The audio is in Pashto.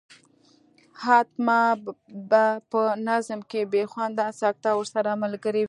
حتما به په نظم کې بې خونده سکته ورسره ملګرې وي.